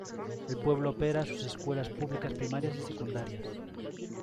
El pueblo opera sus escuelas públicas primarias y secundarias.